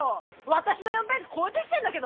私の４ページ超えてきてんだけど。